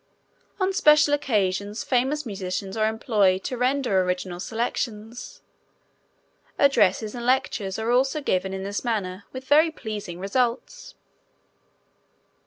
On special occasions famous musicians are employed to render original selections. Addresses and lectures are also given in this manner with very pleasing results.